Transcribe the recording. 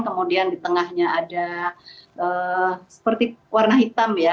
kemudian di tengahnya ada seperti warna hitam ya